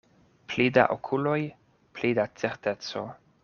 Pli da okuloj, pli da certeco.